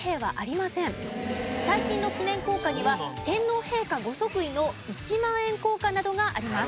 最近の記念硬貨には天皇陛下ご即位の１万円硬貨などがあります。